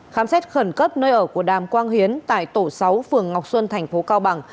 khám xét khẩn cấp nơi ở của đàm quang hiến tại tổ sáu phường ngọc xuân thành phố cao bằng